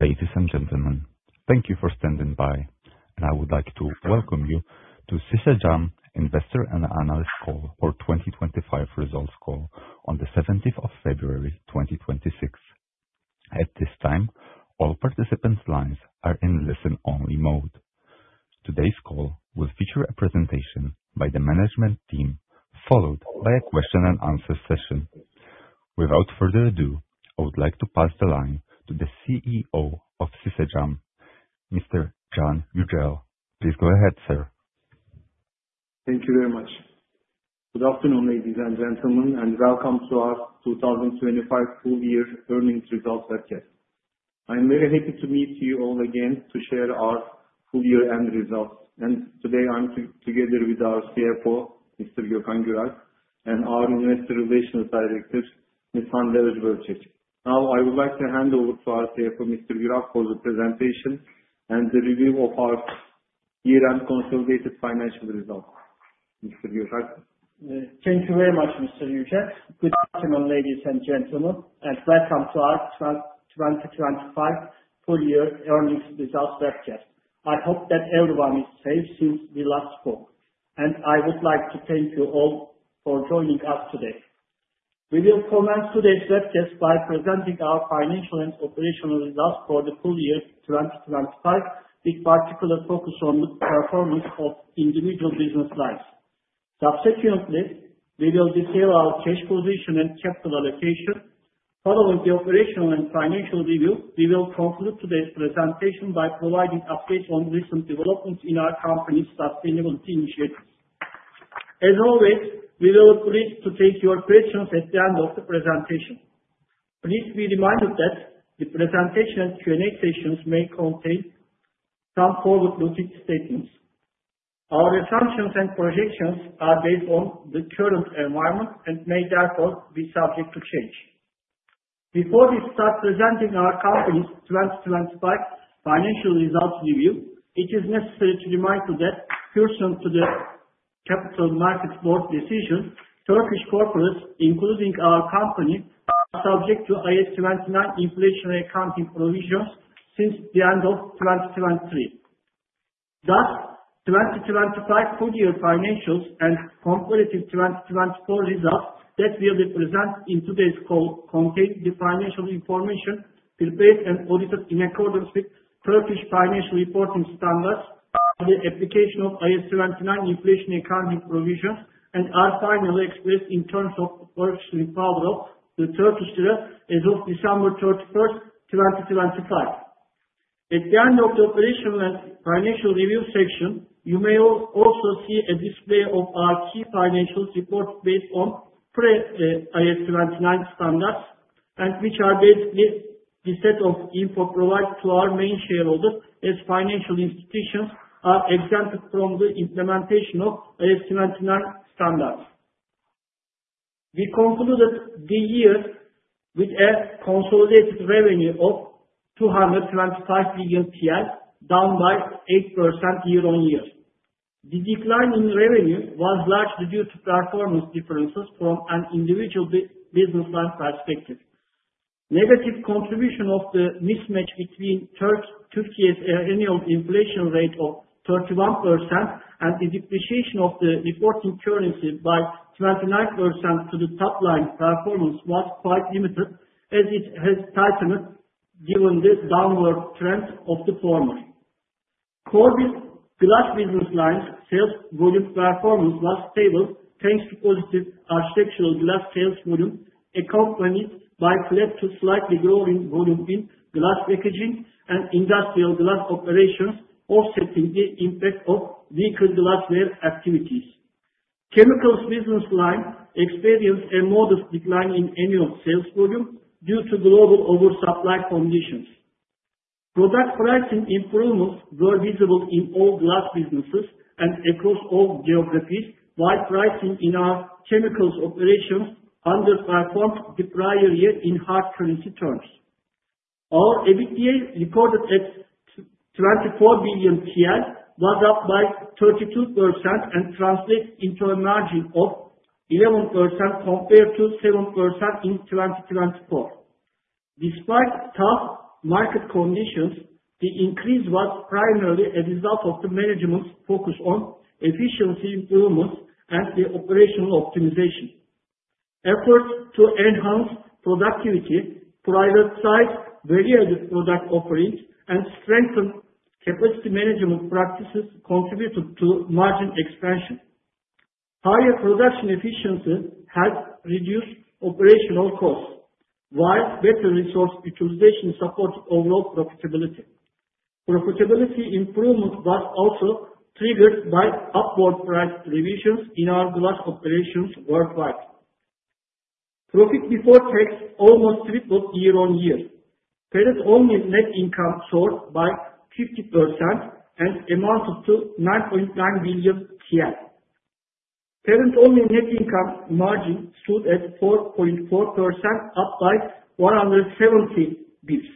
Ladies and gentlemen, thank you for standing by, and I would like to welcome you to Şişecam Investor and Analyst Call for 2025 results call on the seventeenth of February, 2026. At this time, all participants' lines are in listen-only mode. Today's call will feature a presentation by the management team, followed by a question and answer session. Without further ado, I would like to pass the line to the CEO of Şişecam, Mr. Can Yücel. Please go ahead, sir. Thank you very much. Good afternoon, ladies and gentlemen, and welcome to our 2025 full year earnings results webcast. I'm very happy to meet you all again to share our full year-end results, and today I'm together with our CFO, Mr. Gökhan Güralp, and our Investor Relations Director, Ms. Hande Özbörçek. Now, I would like to hand over to our CFO, Mr. Güralp, for the presentation and the review of our year-end consolidated financial results. Mr. Güralp? Thank you very much, Mr. Yücel. Good afternoon, ladies and gentlemen, and welcome to our 2025 full year earnings results webcast. I hope that everyone is safe since we last spoke, and I would like to thank you all for joining us today. We will commence today's webcast by presenting our financial and operational results for the full year 2025, with particular focus on the performance of individual business lines. Subsequently, we will detail our cash position and capital allocation. Following the operational and financial review, we will conclude today's presentation by providing updates on recent developments in our company's sustainability initiatives. As always, we will look forward to take your questions at the end of the presentation. Please be reminded that the presentation and Q&A sessions may contain some forward-looking statements. Our assumptions and projections are based on the current environment and may therefore be subject to change. Before we start presenting our company's 2025 financial results review, it is necessary to remind you that pursuant to the Capital Markets Board decision, Turkish corporates, including our company, are subject to IAS 29 inflationary accounting provisions since the end of 2023. Thus, 2025 full year financials and comparative 2024 results that we'll present in today's call contain the financial information prepared and audited in accordance with Turkish financial reporting standards and the application of IAS 29 inflation accounting provisions, and are finally expressed in terms of Turkish lira, the Turkish lira, as of December 31st, 2025. At the end of the operational and financial review section, you may also see a display of our key financial reports based on pre-IAS 29 standards, and which are basically the set of info provided to our main shareholders as financial institutions are exempted from the implementation of IAS 29 standards. We concluded the year with a consolidated revenue of 225 billion TL, down 8% year-on-year. The decline in revenue was largely due to performance differences from an individual business line perspective. Negative contribution of the mismatch between Turkey's annual inflation rate of 31% and the depreciation of the reporting currency by 29% to the top line performance was quite limited, as it has tightened given the downward trend of the former. For the Glass business lines, sales volume performance was stable, thanks to positive Architectural Glass sales volume, accompanied by flat to slightly growing volume in Glass Packaging and Industrial Glass Operations, offsetting the impact of weaker glassware activities. Chemicals business line experienced a modest decline in annual sales volume due to global oversupply conditions. Product pricing improvements were visible in all Glass businesses and across all geographies, while pricing in our Chemicals Operations underperformed the prior year in hard currency terms. Our EBITDA, reported at 24 billion TL, was up by 32% and translates into a margin of 11%, compared to 7% in 2024. Despite tough market conditions, the increase was primarily a result of the management's focus on efficiency improvements and the operational optimization. Efforts to enhance productivity, product size, varied product offerings, and strengthen capacity management practices contributed to margin expansion. Higher production efficiency helped reduce operational costs, while better resource utilization supported overall profitability. Profitability improvement was also triggered by upward price revisions in our glass operations worldwide. Profit before tax almost tripled year-on-year. Parent-only net income soared by 50% and amounted to TRY 9.9 billion. Parent-only net income margin stood at 4.4%, up by 170 basis points.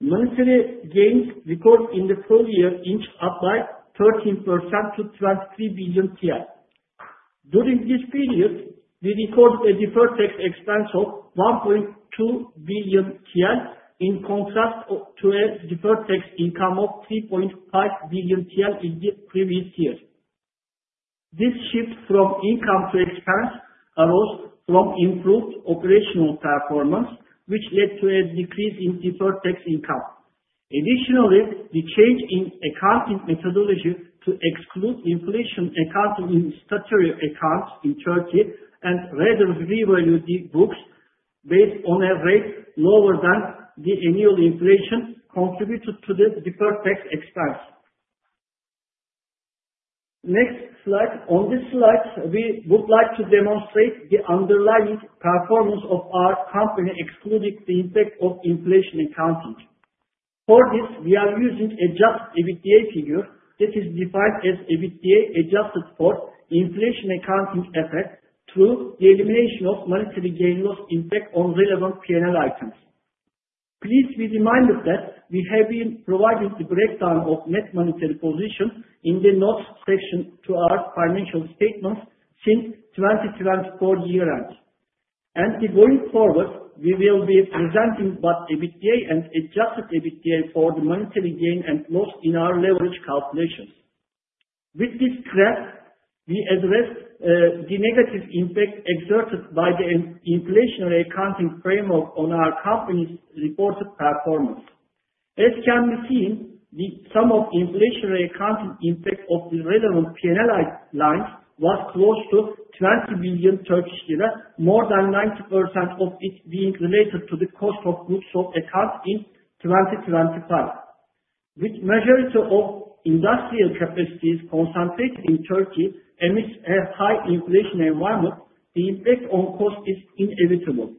Monetary gains recorded in the full year inched up by 13% to 23 billion TL. During this period, we recorded a deferred tax expense of 1.2 billion TL, in contrast to a deferred tax income of 3.5 billion TL in the previous year. This shift from income to expense arose from improved operational performance, which led to a decrease in deferred tax income. Additionally, the change in accounting methodology to exclude inflation accounting in statutory accounts in Turkey, and rather revalue the books based on a rate lower than the annual inflation, contributed to the deferred tax expense. Next slide. On this slide, we would like to demonstrate the underlying performance of our company, excluding the impact of inflation accounting. For this, we are using adjusted EBITDA figure that is defined as EBITDA adjusted for inflation accounting effect through the elimination of monetary gain loss impact on relevant P&L items. Please be reminded that we have been providing the breakdown of net monetary position in the notes section to our financial statements since 2024 year end. And going forward, we will be presenting both EBITDA and adjusted EBITDA for the monetary gain and loss in our leverage calculations. With this graph, we address the negative impact exerted by the inflationary accounting framework on our company's reported performance. As can be seen, the sum of inflationary accounting impact of the relevant P&L lines was close to 20 billion Turkish lira, more than 90% of it being related to the cost of goods sold account in 2025. With majority of industrial capacities concentrated in Turkey amidst a high inflation environment, the impact on cost is inevitable.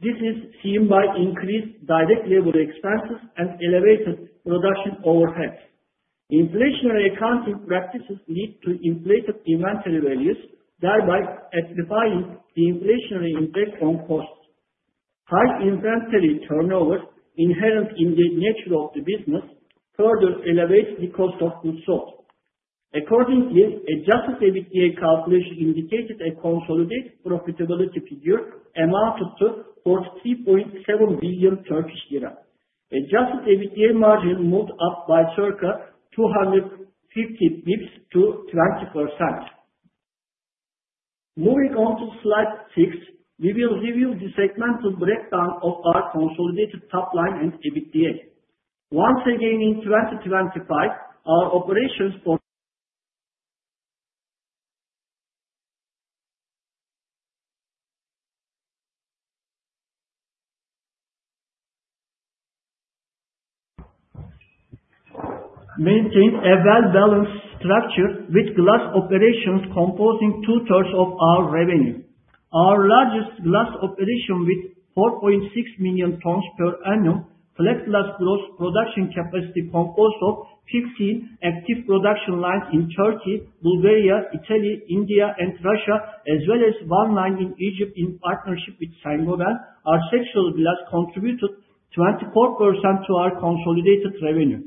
This is seen by increased direct labor expenses and elevated production overheads. Inflationary accounting practices lead to inflated inventory values, thereby amplifying the inflationary impact on costs. High inventory turnover, inherent in the nature of the business, further elevates the cost of goods sold. Accordingly, adjusted EBITDA calculation indicated a consolidated profitability figure amounted to TRY 43.7 billion. Adjusted EBITDA margin moved up by circa 250 basis points to 20%. Moving on to slide 6, we will review the segmental breakdown of our consolidated top line and EBITDA. Once again, in 2025, our operations for maintained a well-balanced structure, with Glass Operations composing two-thirds of our revenue. Our largest Glass Operation, with 4.6 million tons per annum, flat glass gross production capacity composed of 15 active production lines in Turkey, Bulgaria, Italy, India, and Russia, as well as one line in Egypt in partnership with Saint-Gobain. Our flat glass contributed 24% to our consolidated revenue.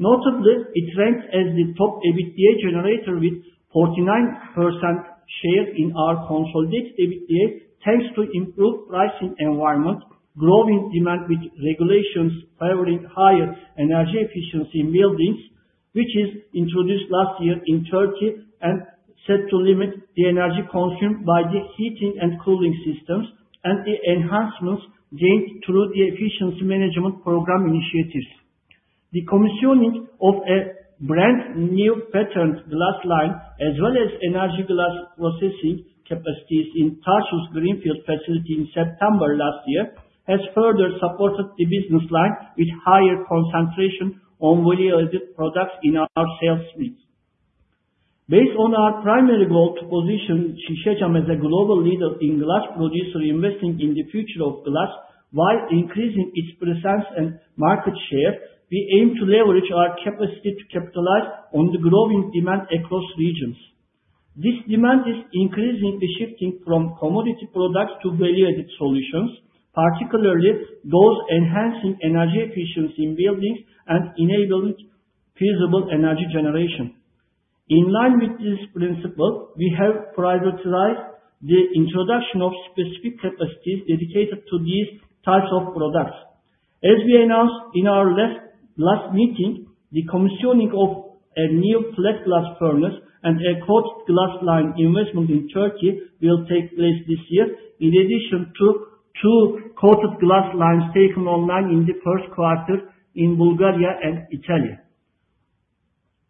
Notably, it ranked as the top EBITDA generator, with 49% share in our consolidated EBITDA, thanks to improved pricing environment, growing demand with regulations favoring higher energy efficiency in buildings, which is introduced last year in Turkey, and set to limit the energy consumed by the heating and cooling systems, and the enhancements gained through the efficiency management program initiatives. The commissioning of a brand new patterned glass line, as well as energy glass processing capacities in Tarsus greenfield facility in September last year, has further supported the business line with higher concentration on value-added products in our sales mix. Based on our primary goal to position Şişecam as a global leader in glass production investing in the future of glass, while increasing its presence and market share, we aim to leverage our capacity to capitalize on the growing demand across regions. This demand is increasingly shifting from commodity products to value-added solutions, particularly those enhancing energy efficiency in buildings and enabling feasible energy generation. In line with this principle, we have prioritized the introduction of specific capacities dedicated to these types of products. As we announced in our last meeting, the commissioning of a new flat glass furnace and a coated glass line investment in Turkey will take place this year, in addition to two coated glass lines taken online in the first quarter in Bulgaria and Italy.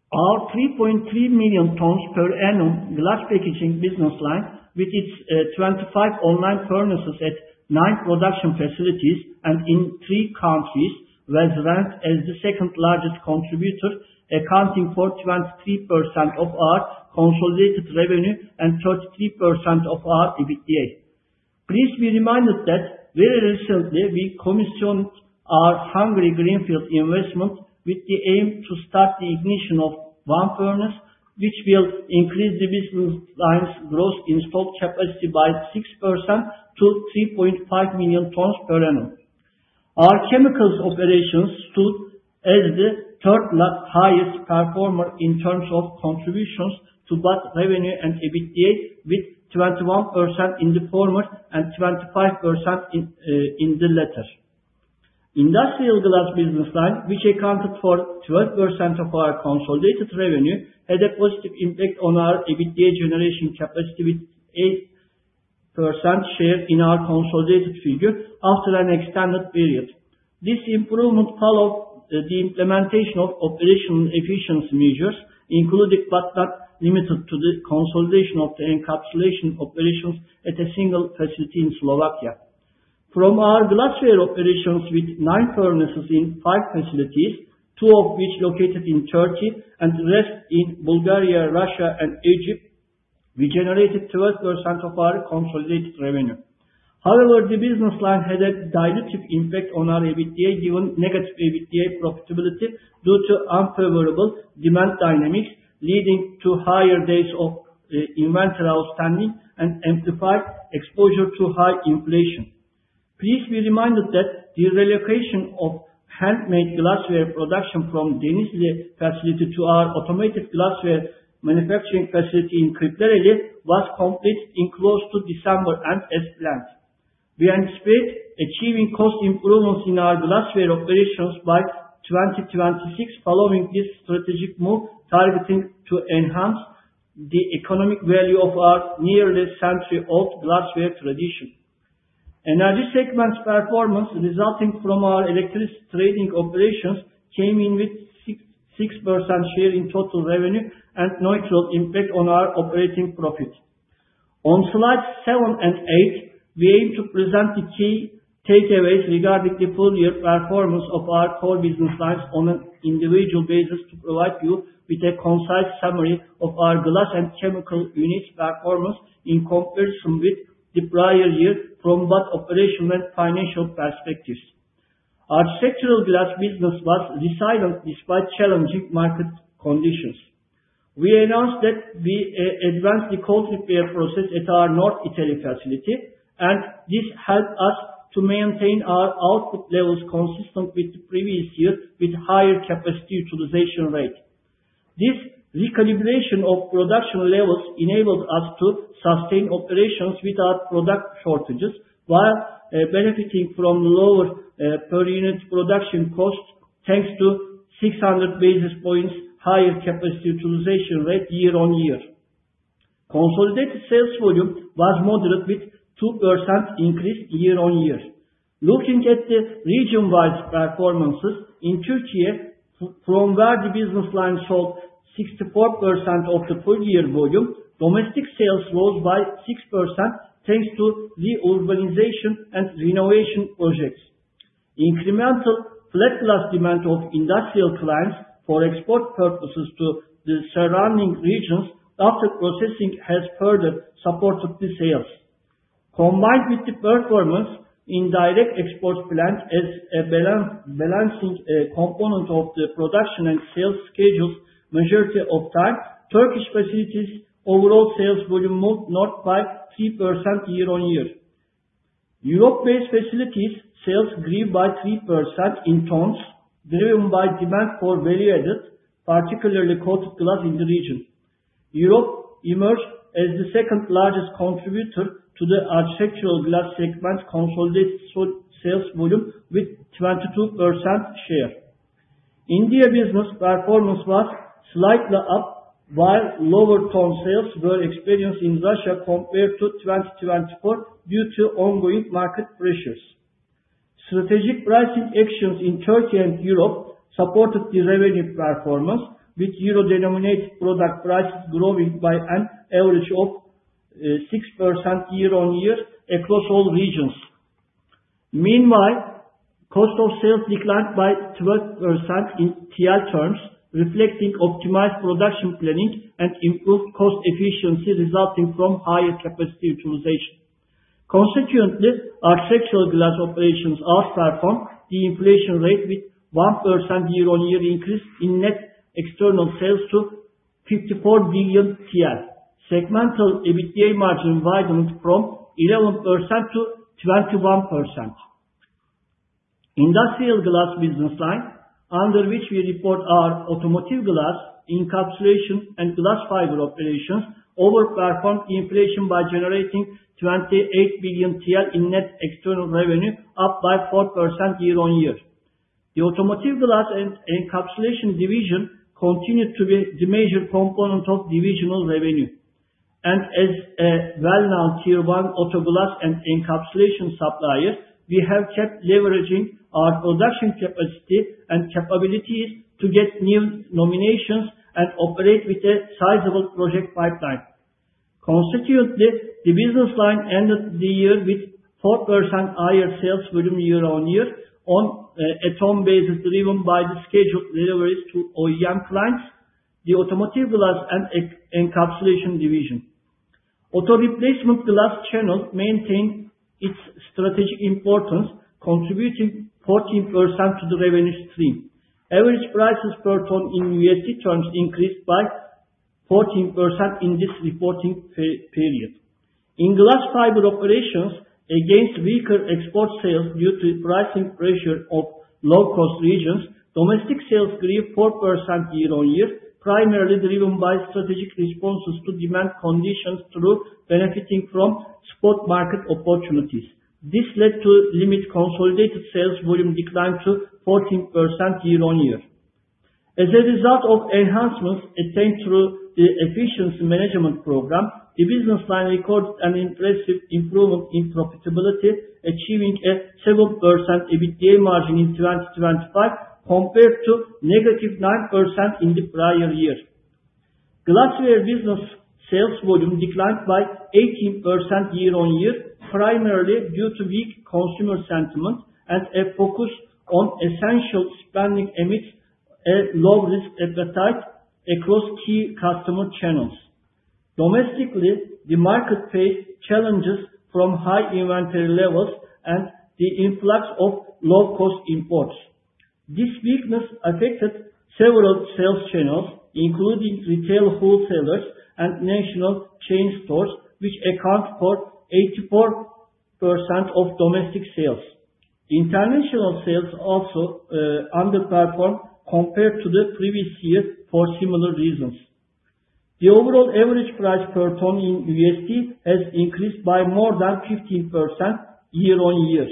Our 3.3 million tons per annum Glass Packaging business line, with its 25 online furnaces at nine production facilities and in three countries, was ranked as the second largest contributor, accounting for 23% of our consolidated revenue and 33% of our EBITDA. Please be reminded that very recently we commissioned our Hungary greenfield investment with the aim to start the ignition of one furnace, which will increase the business lines gross installed capacity by 6% to 3.5 million tons per annum. Our Chemicals Operations stood as the third highest performer in terms of contributions to both revenue and EBITDA, with 21% in the former and 25% in the latter. Industrial Glass business line, which accounted for 12% of our consolidated revenue, had a positive impact on our EBITDA generation capacity, with 8% share in our consolidated figure after an extended period. This improvement followed the implementation of operational efficiency measures, including but not limited to the consolidation of the encapsulation operations at a single facility in Slovakia. From our Glassware Operations, with nine furnaces in five facilities, two of which located in Turkey and the rest in Bulgaria, Russia and Egypt, we generated 12% of our consolidated revenue. However, the business line had a dilutive impact on our EBITDA, given negative EBITDA profitability due to unfavorable demand dynamics leading to higher days of inventory outstanding and amplified exposure to high inflation. Please be reminded that the relocation of handmade glassware production from Denizli facility to our automated glassware manufacturing facility in Kırklareli was completed in close to December and as planned. We anticipate achieving cost improvements in our Glassware Operations by 2026 following this strategic move, targeting to enhance the economic value of our nearly century-old glassware tradition. Energy segment's performance resulting from our electricity trading operations came in with 6.6% share in total revenue and neutral impact on our operating profit. On slides 7 and 8, we aim to present the key takeaways regarding the full year performance of our core business lines on an individual basis, to provide you with a concise summary of our Glass and Chemical units' performance in comparison with the prior year from both operational and financial perspectives. Our Architectural Glass business was resilient despite challenging market conditions. We announced that we advanced the coated glass process at our northern Italy facility, and this helped us to maintain our output levels consistent with the previous year, with higher capacity utilization rate. This recalibration of production levels enabled us to sustain operations without product shortages, while benefiting from lower per unit production cost, thanks to 600 basis points higher capacity utilization rate year-on-year. Consolidated sales volume was moderate, with 2% increase year-on-year. Looking at the region-wide performances in Turkey, from where the business line sold 64% of the full year volume, domestic sales rose by 6%, thanks to the urbanization and renovation projects. Incremental flat glass demand of industrial clients for export purposes to the surrounding regions after processing has further supported the sales. Combined with the performance in direct export plant as a balancing component of the production and sales schedule majority of time, Turkish facilities' overall sales volume moved north by 3% year-on-year. Europe-based facilities' sales grew by 3% in tons, driven by demand for value-added, particularly coated glass in the region. Europe emerged as the second largest contributor to the architectural glass segment, consolidated sales volume with 22% share. India business performance was slightly up, while lower ton sales were experienced in Russia compared to 2024 due to ongoing market pressures. Strategic pricing actions in Turkey and Europe supported the revenue performance, with euro-denominated product prices growing by an average of 6% year-on-year across all regions. Meanwhile, cost of sales declined by 12% in turkish lira terms, reflecting optimized production planning and improved cost efficiency resulting from higher capacity utilization. Consequently, Architectural Glass Operations outperformed the inflation rate with 1% year-on-year increase in net external sales to 54 billion TL. Segmental EBITDA margin widened from 11% to 21%. Industrial Glass business line, under which we report our Automotive Glass, Encapsulation, and Glass Fiber Operations, overperformed inflation by generating 28 billion TL in net external revenue, up by 4% year-on-year. The Automotive Glass and Encapsulation Division continued to be the major component of divisional revenue. And as a well-known tier one auto glass and encapsulation supplier, we have kept leveraging our production capacity and capabilities to get new nominations and operate with a sizable project pipeline. Consequently, the business line ended the year with 4% higher sales volume year-on-year on a ton basis, driven by the scheduled deliveries to OEM clients, the Automotive Glass and Encapsulation Division. Auto replacement glass channel maintained its strategic importance, contributing 14% to the revenue stream. Average prices per ton in U.S. dollars terms increased by 14% in this reporting period. In Glass Fiber Operations, against weaker export sales due to pricing pressure of low-cost regions, domestic sales grew 4% year-on-year, primarily driven by strategic responses to demand conditions through benefiting from spot market opportunities. This led to limited consolidated sales volume decline to 14% year-on-year. As a result of enhancements attained through the efficiency management program, the business line recorded an impressive improvement in profitability, achieving a 7% EBITDA margin in 2025, compared to -9% in the prior year. Glassware business sales volume declined by 18% year-on-year, primarily due to weak consumer sentiment and a focus on essential spending amidst a low risk appetite across key customer channels. Domestically, the market faced challenges from high inventory levels and the influx of low-cost imports. This weakness affected several sales channels, including retail wholesalers and national chain stores, which account for 84% of domestic sales. International sales also underperformed compared to the previous year for similar reasons. The overall average price per ton in U.S. dollar has increased by more than 15% year-on-year.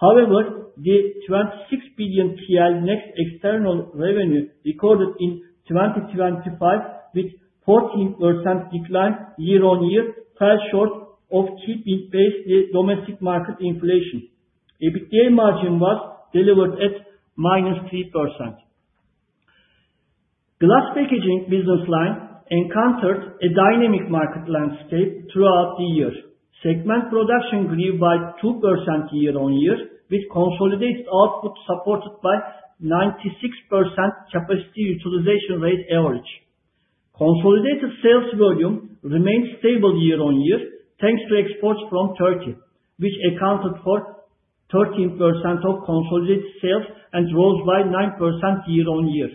However, the 26 billion TL net external revenue recorded in 2025, with 14% decline year-on-year, fell short of keeping pace with domestic market inflation. EBITDA margin was delivered at -3%. Glass Packaging business line encountered a dynamic market landscape throughout the year. Segment production grew by 2% year-on-year, with consolidated output supported by 96% capacity utilization rate average. Consolidated sales volume remained stable year-on-year, thanks to exports from Turkey, which accounted for 13% of consolidated sales and rose by 9% year-on-year.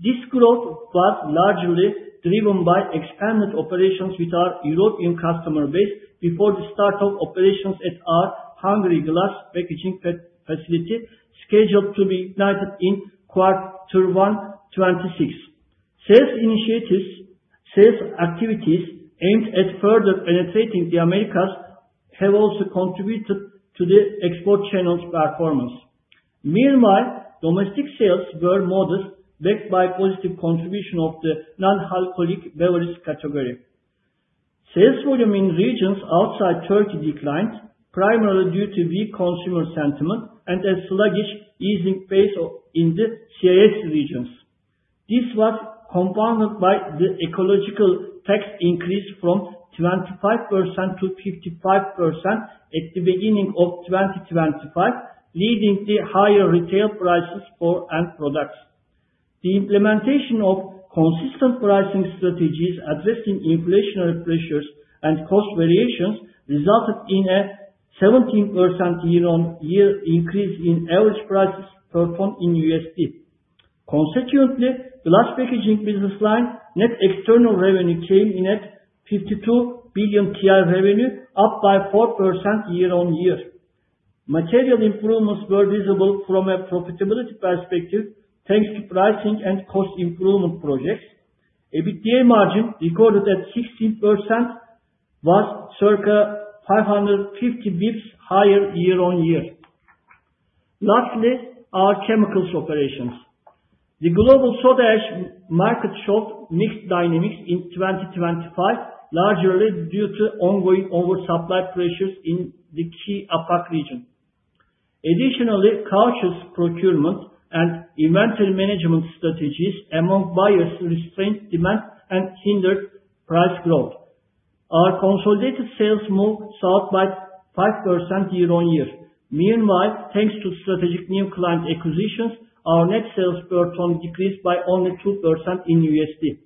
This growth was largely driven by expanded operations with our European customer base before the start of operations at our Hungary Glass packaging facility, scheduled to be ignited in Q1 2026. Sales initiatives, sales activities aimed at further penetrating the Americas have also contributed to the export channel's performance. Meanwhile, domestic sales were modest, backed by positive contribution of the non-alcoholic beverage category. Sales volume in regions outside Turkey declined, primarily due to weak consumer sentiment and a sluggish easing pace in the CIS regions. This was compounded by the ecological tax increase from 25% to 55% at the beginning of 2025, leading to higher retail prices for end products. The implementation of consistent pricing strategies, addressing inflationary pressures and cost variations, resulted in a 17% year-on-year increase in average prices per ton in USD. Consequently, Glass Packaging business line net external revenue came in at 52 billion revenue, up by 4% year-on-year. Material improvements were visible from a profitability perspective, thanks to pricing and cost improvement projects. EBITDA margin, recorded at 16%, was circa 550 basis points higher year-on-year. Lastly, our chemicals operations. The global soda ash market showed mixed dynamics in 2025, largely due to ongoing oversupply pressures in the key APAC region. Additionally, cautious procurement and inventory management strategies among buyers restrained demand and hindered price growth. Our consolidated sales moved south by 5% year-over-year. Meanwhile, thanks to strategic new client acquisitions, our net sales per ton decreased by only 2% in USD.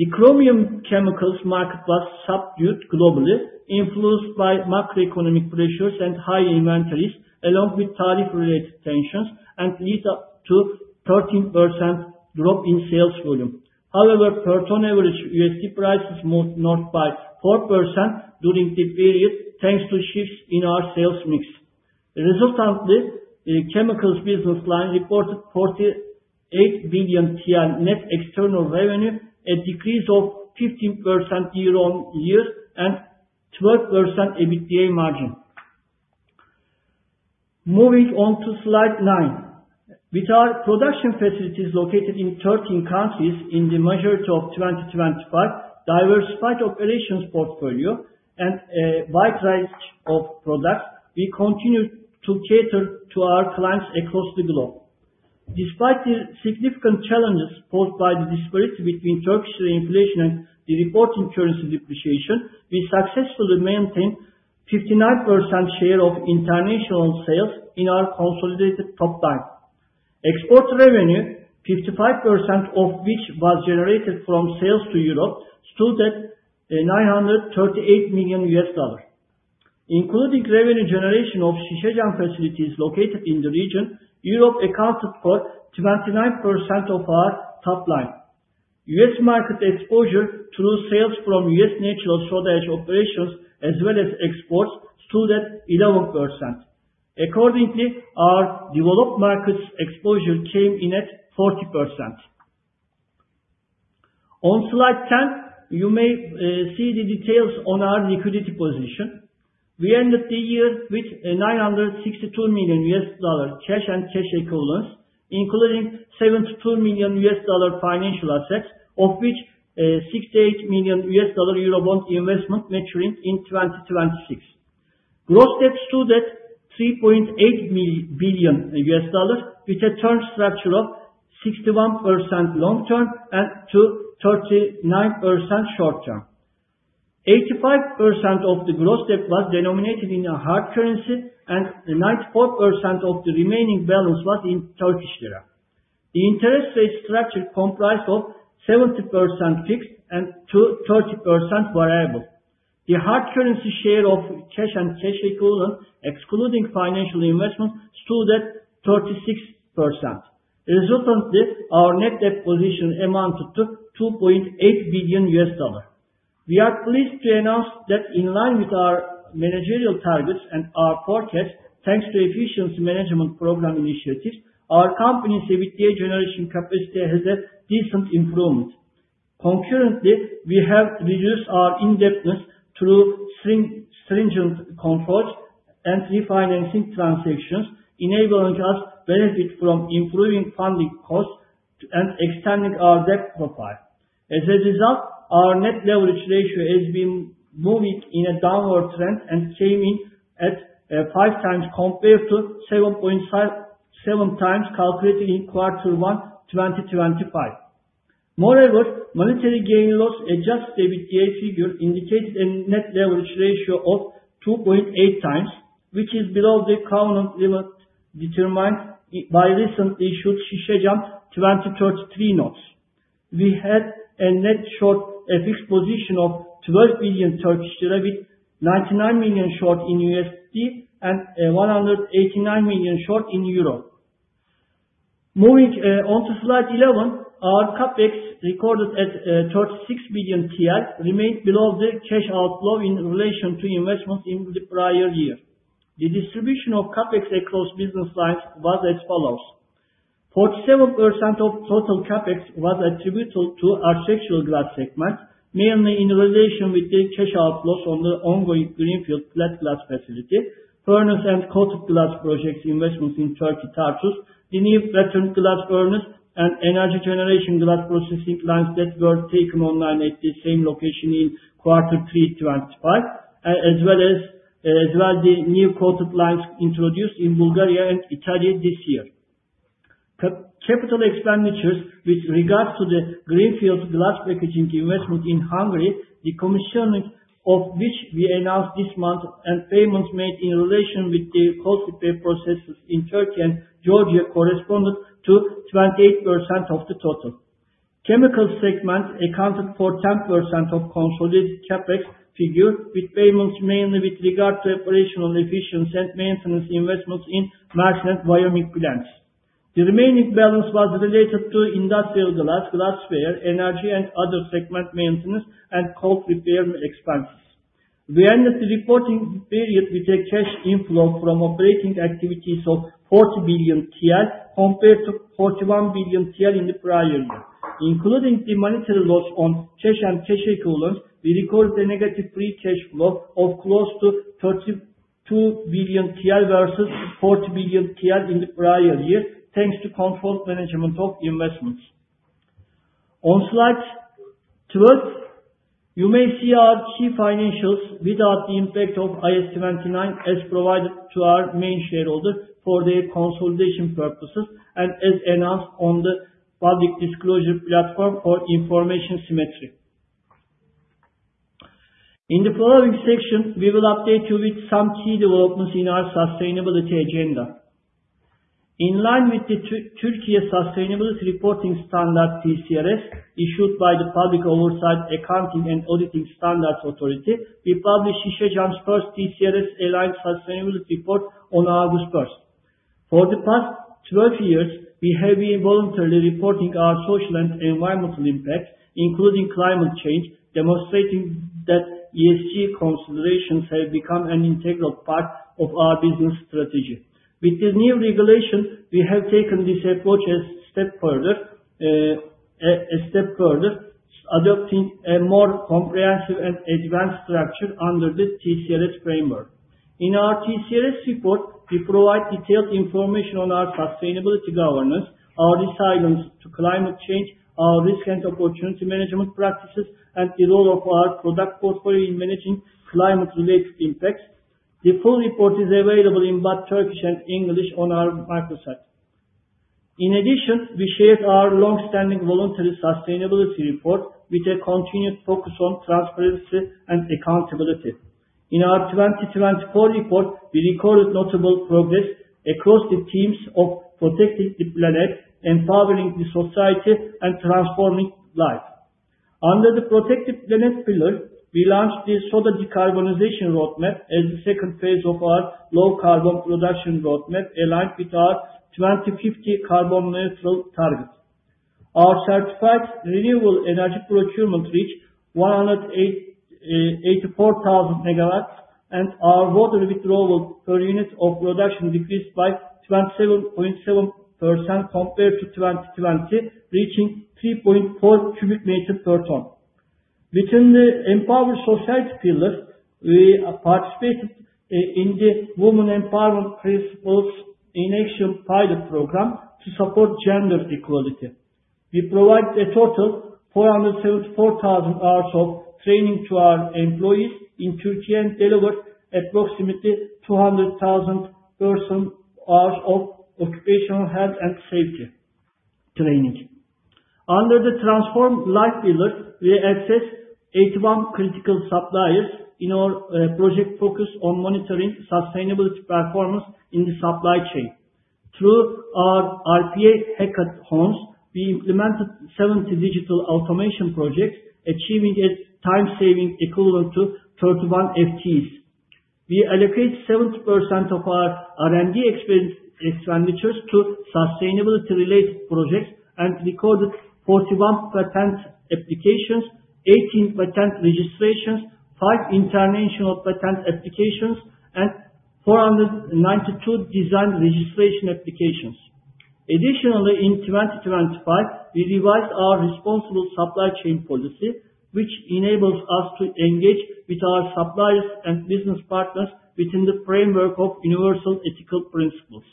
The chromium chemicals market was subdued globally, influenced by macroeconomic pressures and high inventories, along with tariff-related tensions, and led up to 13% drop in sales volume. However, per ton average USD prices moved north by 4% during the period, thanks to shifts in our sales mix. Resultantly, the Chemicals business line reported 48 billion TL net external revenue, a decrease of 15% year-over-year, and 12% EBITDA margin. Moving on to slide 9. With our production facilities located in 13 countries in the majority of 2025, diversified operations portfolio and a wide range of products, we continue to cater to our clients across the globe. Despite the significant challenges posed by the disparity between Turkish inflation and the reporting currency depreciation, we successfully maintained 59% share of international sales in our consolidated top line. Export revenue, 55% of which was generated from sales to Europe, stood at $938 million, including revenue generation of Şişecam facilities located in the region. Europe accounted for 29% of our top line. U.S. market exposure through sales from U.S. natural soda ash operations, as well as exports, stood at 11%. Accordingly, our developed markets exposure came in at 40%. On slide 10, you may see the details on our liquidity position. We ended the year with $962 million cash and cash equivalents, including $72 million financial assets, of which, $68 million Eurobond investment maturing in 2026. Gross debt stood at $3.8 billion, with a term structure of 61% long term and 39% short term. 85% of the gross debt was denominated in a hard currency, and 94% of the remaining balance was in Turkish lira. The interest rate structure comprised of 70% fixed and 30% variable. The hard currency share of cash and cash equivalents, excluding financial investment, stood at 36%. Resultantly, our net debt position amounted to $2.8 billion. We are pleased to announce that in line with our managerial targets and our forecast, thanks to efficiency management program initiatives, our company's EBITDA generation capacity has a decent improvement. Concurrently, we have reduced our indebtedness through stringent control and refinancing transactions, enabling us benefit from improving funding costs to and extending our debt profile. As a result, our net leverage ratio has been moving in a downward trend and staying at five times compared to 7.5-7 times calculated in Q1 2025. Moreover, monetary gain loss adjusted EBITDA figure indicates a net leverage ratio of 2.8x, which is below the covenant limit determined by recent issued Şişecam 2033 notes. We had a net short, FX position of 12 billion Turkish lira with $99 million short in U.S. dollar and EUR 189 million short in euro. Moving onto slide 11, our CapEx, recorded at 36 billion, remained below the cash outflow in relation to investments in the prior year. The distribution of CapEx across business lines was as follows: 47% of total CapEx was attributable to Architectural Glass segment, mainly in relation with the cash outflows from the ongoing greenfield flat glass facility, pattern glass furnace and coated glass projects investments in Turkey, Tarsus. The new pattern glass furnace and energy glass processing lines that were taken online at the same location in quarter three 2025, as well as the new coated lines introduced in Bulgaria and Italy this year. Capital expenditures with regards to the Greenfield Glass Packaging investment in Hungary, the commissioning of which we announced this month, and payments made in relation with the cold repair processes in Turkey and Georgia corresponded to 28% of the total. Chemical segment accounted for 10% of consolidated CapEx figure, with payments mainly with regard to operational efficiency and maintenance investments in Mersin and Wyoming plants. The remaining balance was related to Industrial Glass, Glassware, energy, and other segment maintenance and cold repair expenses. We ended the reporting period with a cash inflow from operating activities of 40 billion TL, compared to 41 billion TL in the prior year. Including the monetary loss on cash and cash equivalents, we recorded a negative free cash flow of close to 32 billion TL versus 40 billion TL in the prior year, thanks to controlled management of investments. On slide 12, you may see our key financials without the impact of IAS 29, as provided to our main shareholder for their consolidation purposes and as announced on the public disclosure platform for information symmetry. In the following section, we will update you with some key developments in our sustainability agenda. In line with the Türkiye Sustainability Reporting Standard, TSRS, issued by the Public Oversight Accounting and Auditing Standards Authority, we published Şişecam's first TSRS aligned sustainability report on August 1st. For the past 12 years, we have been voluntarily reporting our social and environmental impact, including climate change, demonstrating that ESG considerations have become an integral part of our business strategy. With the new regulation, we have taken this approach a step further, adopting a more comprehensive and advanced structure under the TSRS framework. In our TSRS report, we provide detailed information on our sustainability governance, our resilience to climate change, our risk and opportunity management practices, and the role of our product portfolio in managing climate-related impacts. The full report is available in both Turkish and English on our microsite. In addition, we shared our long-standing voluntary sustainability report with a continued focus on transparency and accountability. In our 2024 report, we recorded notable progress across the teams of protecting the planet, empowering the society, and transforming lives. Under the Protect the Planet pillar, we launched the Soda Decarbonization Roadmap as the second phase of our low carbon production roadmap, aligned with our 2050 Carbon Neutral Target. Our certified renewable energy procurement reached 184,000 MW, and our water withdrawal per unit of production decreased by 27.7% compared to 2020, reaching 3.4 cubic meter per ton. Within the Empower Society pillar, we participated in the Women's Empowerment Principles in Action Pilot Program to support gender equality. We provided a total 474,000 hours of training to our employees in Turkey, and delivered approximately 200,000 person hours of occupational health and safety training. Under the Transform Life pillar, we assessed 81 critical suppliers in our project focus on monitoring sustainable performance in the supply chain. Through our RPA HECAT homes, we implemented 70 digital automation projects, achieving a time saving equivalent to 31 FTEs. We allocate 70% of our R&D expenditures to sustainability-related projects and recorded 41 patent applications, 18 patent registrations, five international patent applications, and 492 design registration applications. Additionally, in 2025, we revised our responsible supply chain policy, which enables us to engage with our suppliers and business partners within the framework of universal ethical principles.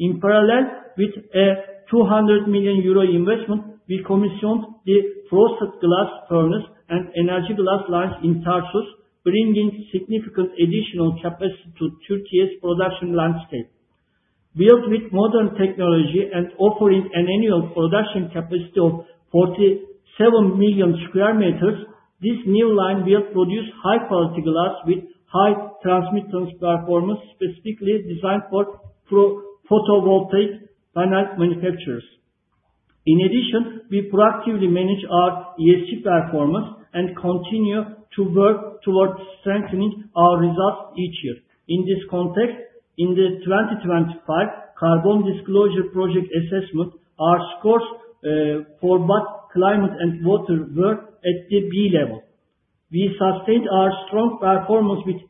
In parallel, with a 200 million euro investment, we commissioned the frosted glass furnace and energy glass lines in Tarsus, bringing significant additional capacity to Turkey's production landscape. Built with modern technology and offering an annual production capacity of 47 million square meters, this new line will produce high-quality glass with high transmittance performance, specifically designed for photovoltaic panel manufacturers. In addition, we proactively manage our ESG performance and continue to work towards strengthening our results each year. In this context, in the 2025 Carbon Disclosure Project assessment, our scores for both climate and water were at the B level. We sustained our strong performance with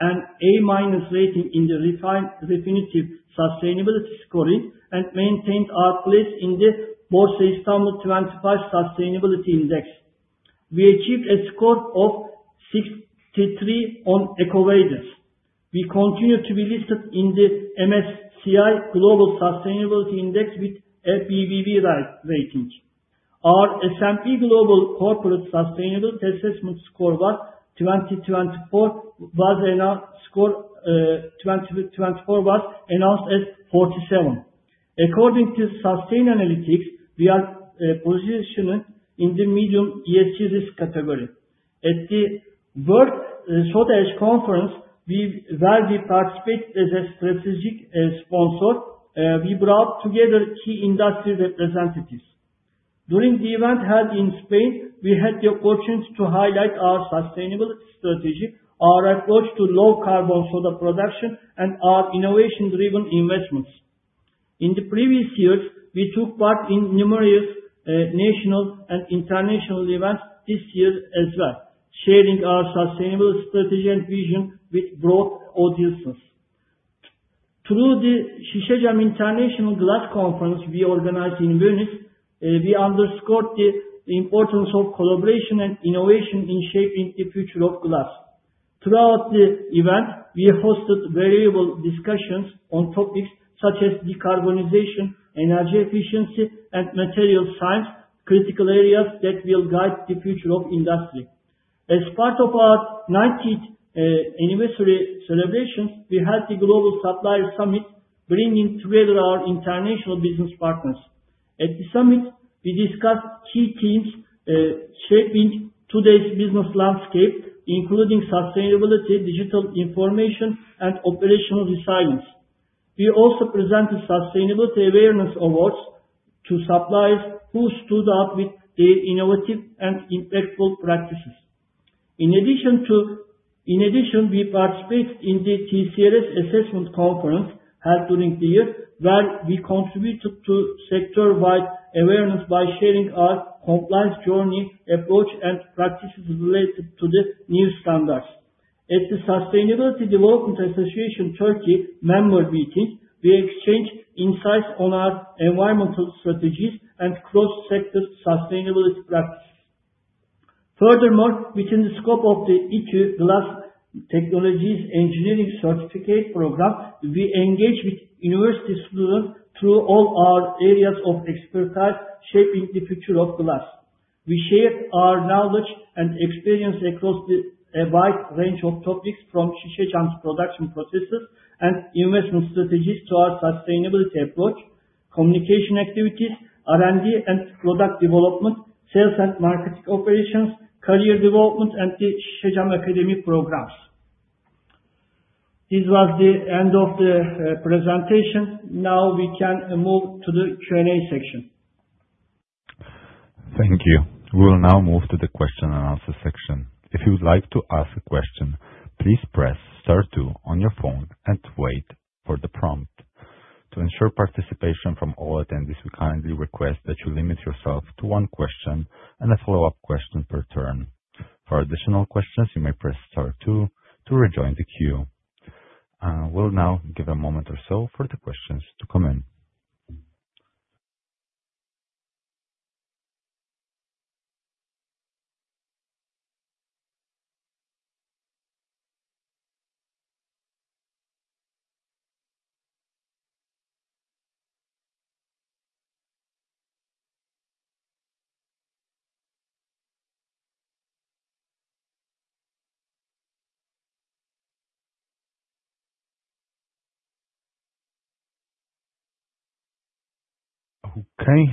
an A- rating in the Refinitiv Sustainability Scoring, and maintained our place in the BIST Sustainability 25 Index. We achieved a score of 63 on EcoVadis. We continue to be listed in the MSCI Global Sustainability Index with a BBB rating. Our S&P Global Corporate Sustainability Assessment score was 2024, was an, score, 2024 was announced as 47. According to Sustainalytics, we are positioned in the medium ESG risk category. At the World Soda Ash Conference, where we participate as a strategic sponsor, we brought together key industry representatives. During the event held in Spain, we had the opportunity to highlight our sustainable strategy, our approach to low carbon soda production, and our innovation-driven investments. In the previous years, we took part in numerous national and international events this year as well, sharing our sustainable strategy and vision with broad audiences. Through the Şişecam International Glass Conference we organized in Venice, we underscored the importance of collaboration and innovation in shaping the future of glass. Throughout the event, we hosted valuable discussions on topics such as decarbonization, energy efficiency, and material science, critical areas that will guide the future of industry. As part of our ninetieth anniversary celebration, we held the Global Supplier Summit, bringing together our international business partners. At the summit, we discussed key themes shaping today's business landscape, including sustainability, digital information, and operational resilience. We also presented sustainability awareness awards to suppliers who stood out with their innovative and impactful practices. In addition, we participated in the TSRS Assessment Conference held during the year, where we contributed to sector-wide awareness by sharing our compliance journey, approach, and practices related to the new standards. At the Sustainable Development Association Turkey member meeting, we exchanged insights on our environmental strategies and cross-sector sustainability practices. Furthermore, within the scope of the İTÜ Glass Technologies Engineering Certificate Program, we engage with university students through all our areas of expertise, shaping the future of glass. We share our knowledge and experience across a wide range of topics, from Şişecam's production processes and investment strategies to our sustainability approach, communication activities, R&D and product development, sales and marketing operations, career development, and the Şişecam Academy programs... This was the end of the presentation. Now we can move to the Q&A section. Thank you. We will now move to the question and answer section. If you would like to ask a question, please press star two on your phone and wait for the prompt. To ensure participation from all attendees, we kindly request that you limit yourself to one question and a follow-up question per turn. For additional questions, you may press star two to rejoin the queue. We'll now give a moment or so for the questions to come in. Okay.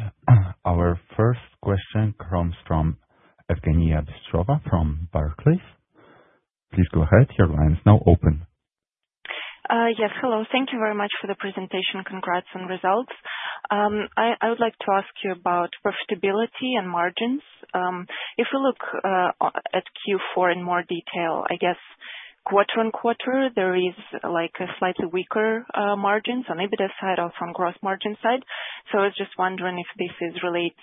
Our first question comes from Evgeniya Bystrova from Barclays. Please go ahead, your line is now open. Yes. Hello, thank you very much for the presentation. Congrats on results. I, I would like to ask you about profitability and margins. If you look at Q4 in more detail, I guess quarter-on-quarter, there is like a slightly weaker margins on EBITDA side or from gross margin side. So I was just wondering if this relates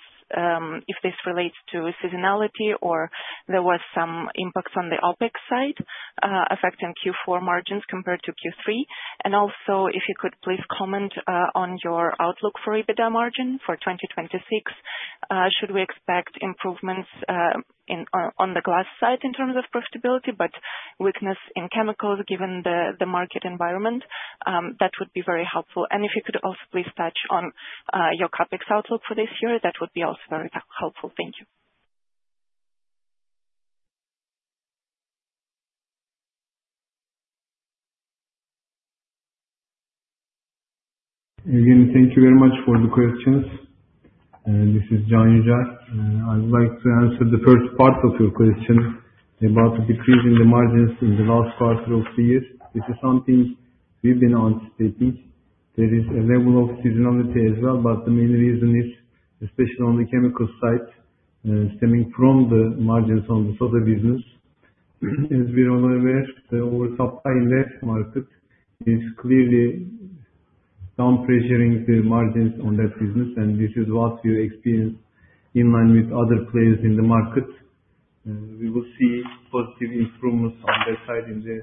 to seasonality or there was some impacts on the OpEx side, affecting Q4 margins compared to Q3? And also, if you could please comment on your outlook for EBITDA margin for 2026. Should we expect improvements in or on the glass side in terms of profitability, but weakness in chemicals, given the, the market environment? That would be very helpful. If you could also please touch on your CapEx outlook for this year, that would be also very helpful. Thank you. Evgeniya, thank you very much for the questions. This is Can Yücel. I would like to answer the first part of your question about the decrease in the margins in the last quarter of the year. This is something we've been anticipating. There is a level of seasonality as well, but the main reason is, especially on the Chemical side, stemming from the margins on the soda business. As we are well aware, our supply in that market is clearly down, pressuring the margins on that business, and this is what you experience in line with other players in the market. We will see positive improvements on that side in the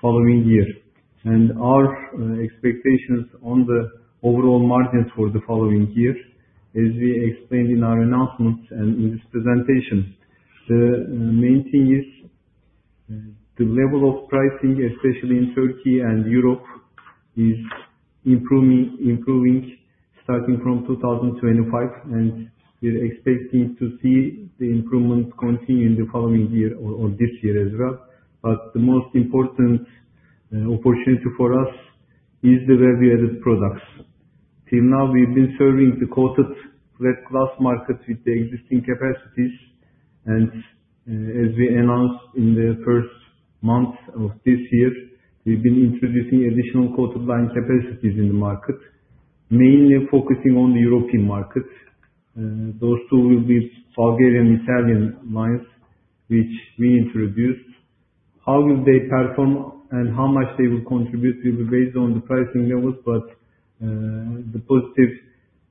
following year. Our expectations on the overall market for the following year, as we explained in our announcements and in this presentation, the main thing is, the level of pricing, especially in Turkey and Europe, is improving, improving starting from 2025, and we're expecting to see the improvement continue in the following year or, or this year as well. But the most important, opportunity for us is the value-added products. Till now, we've been serving the coated flat glass markets with the existing capacities, and, as we announced in the first month of this year, we've been introducing additional coated line capacities in the market, mainly focusing on the European markets. Those two will be Bulgarian, Italian lines, which we introduced. How will they perform and how much they will contribute will be based on the pricing levels, but, the positive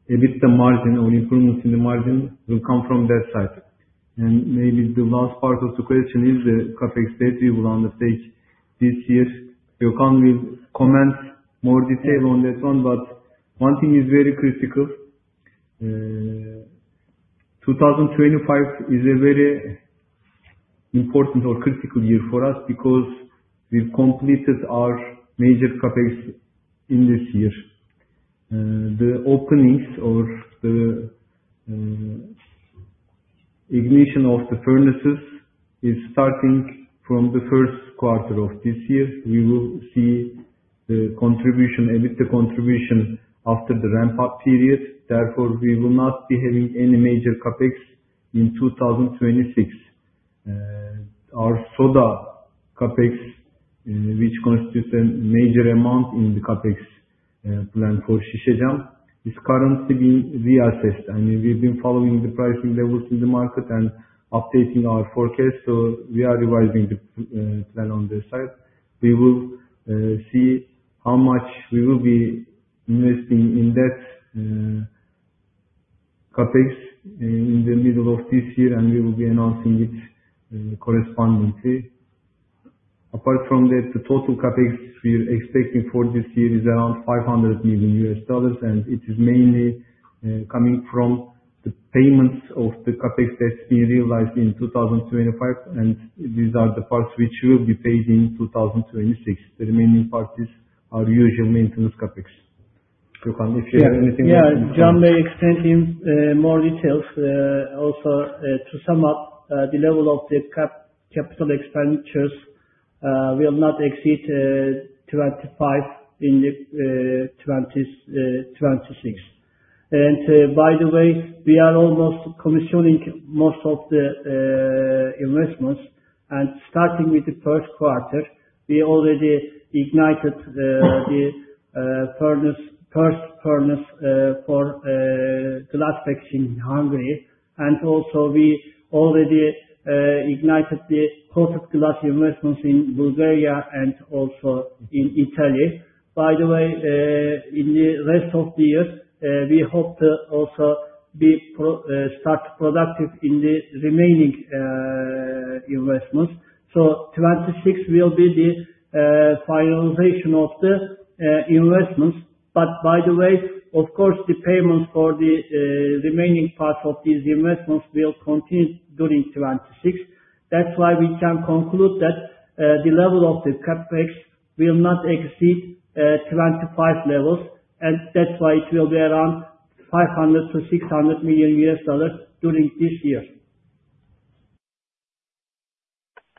EBITDA margin or improvements in the margin will come from that side. And maybe the last part of the question is the CapEx that we will undertake this year. Gökhan will comment more detail on that one, but one thing is very critical. 2025 is a very important or critical year for us because we've completed our major CapEx in this year. The openings or the, ignition of the furnaces is starting from the first quarter of this year. We will see the contribution, EBITDA contribution, after the ramp-up period. Therefore, we will not be having any major CapEx in 2026. Our soda CapEx, which constitutes a major amount in the CapEx, plan for Şişecam, is currently being reassessed. I mean, we've been following the pricing levels in the market and updating our forecast, so we are revising the plan on this side. We will see how much we will be investing in that CapEx in the middle of this year, and we will be announcing it correspondingly. Apart from that, the total CapEx we're expecting for this year is around $500 million, and it is mainly coming from the payments of the CapEx that we realized in 2025, and these are the parts which will be paid in 2026. The remaining parts is our usual maintenance CapEx. Gökhan, if you have anything- Yeah, Can be extending, more details. Also, to sum up, the level of the capital expenditures will not exceed Turkish lira 2025 in the 2026. By the way, we are almost commissioning most of the investments. Starting with the first quarter, we already ignited the furnace, first furnace, for glass section in Hungary. Also we already ignited the coated glass investments in Bulgaria and also in Italy. By the way, in the rest of the year, we hope to also be productive in the remaining investments. 2026 will be the finalization of the investments. By the way, of course, the payments for the remaining parts of these investments will continue during 2026. That's why we can conclude that the level of the CapEx will not exceed 2025 levels, and that's why it will be around $500 million-$600 million during this year.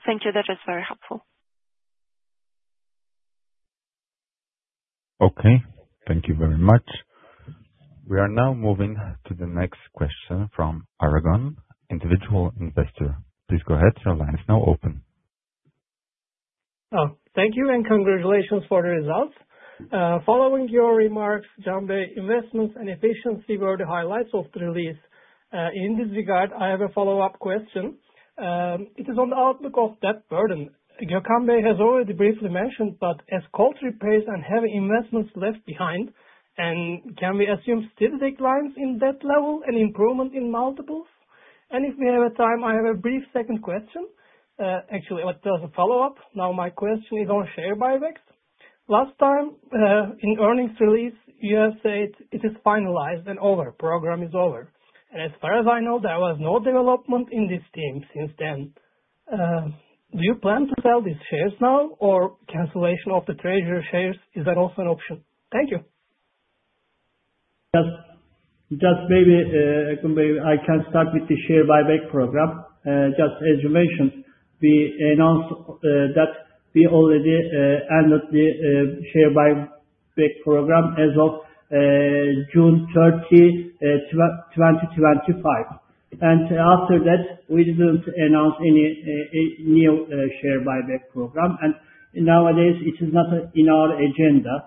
Thank you. That is very helpful. Okay, thank you very much. We are now moving to the next question from Aragon, individual investor. Please go ahead. Your line is now open. Oh, thank you, and congratulations for the results. Following your remarks, Can, investments and efficiency were the highlights of the release. In this regard, I have a follow-up question. It is on the outlook of debt burden. Can has already briefly mentioned, but as CapEx pays and heavy investments left behind, and can we assume still declines in debt level and improvement in multiples? And if we have time, I have a brief second question. Actually, it was a follow-up. Now my question is on share buybacks. Last time, in earnings release, you said it is finalized and over, program is over. And as far as I know, there was no development in the meantime since then. Do you plan to sell these shares now? Or cancellation of the treasury shares, is that also an option? Thank you. Just maybe I can start with the share buyback program. Just as you mentioned, we announced that we already ended the share buyback program as of June 30, 2025. And after that, we didn't announce any new share buyback program, and nowadays it is not in our agenda.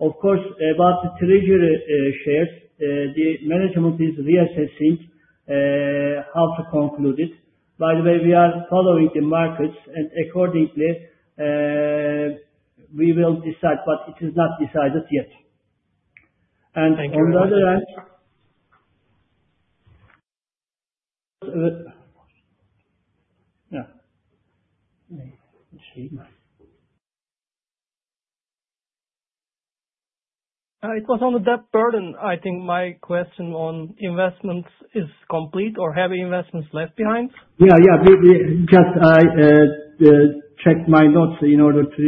Of course, about the treasury shares, the management is reassessing how to conclude it. By the way, we are following the markets, and accordingly we will decide, but it is not decided yet. And on the other hand- Thank you. Yeah. Let me see my- It was on the debt burden. I think my question on investments is complete or heavy investments left behind. Yeah, yeah. We just checked my notes in order to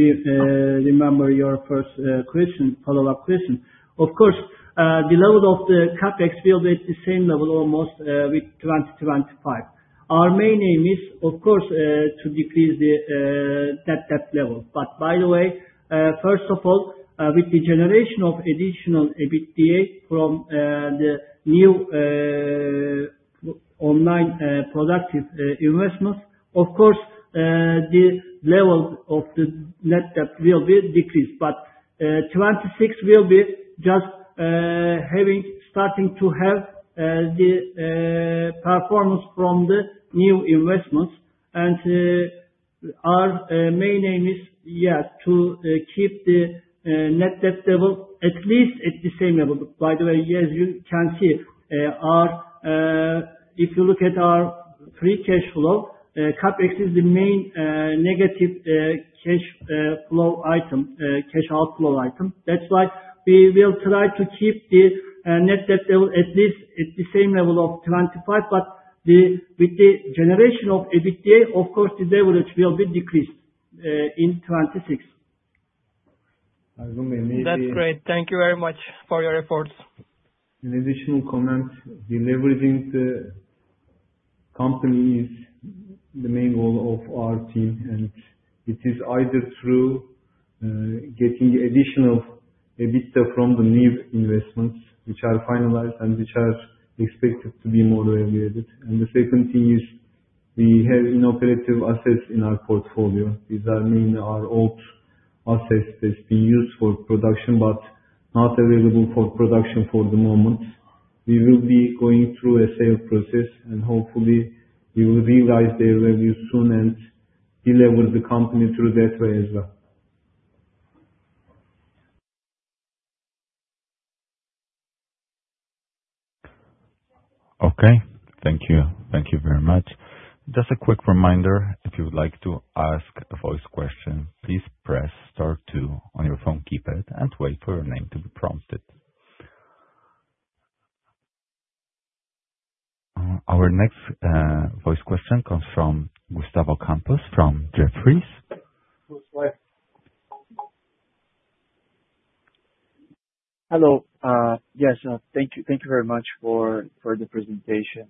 remember your first question, follow-up question. Of course, the level of the CapEx will be at the same level almost with 2025. Our main aim is, of course, to decrease the net debt level. But by the way, first of all, with the generation of additional EBITDA from the new online productive investments, of course, the level of the net debt will be decreased. But 2026 will be just having, starting to have the performance from the new investments. And our main aim is, yeah, to keep the net debt level at least at the same level. By the way, as you can see, our... If you look at our free cash flow, CapEx is the main negative cash flow item, cash outflow item. That's why we will try to keep the net debt level at least at the same level of 2025. But with the generation of EBITDA, of course, the leverage will be decreased in 2026. I don't know, maybe- That's great. Thank you very much for your efforts. An additional comment. Deleveraging the company is the main role of our team, and it is either through getting additional EBITDA from the new investments which are finalized and which are expected to be more available. And the second thing is, we have inoperative assets in our portfolio. These are mainly our old assets that's been used for production, but not available for production for the moment. We will be going through a sale process, and hopefully we will realize their revenue soon and delever the company through that way as well. Okay. Thank you. Thank you very much. Just a quick reminder, if you would like to ask a voice question, please press star two on your phone keypad and wait for your name to be prompted. Our next voice question comes from Gustavo Campos, from Jefferies. Hello. Yes, thank you. Thank you very much for the presentation.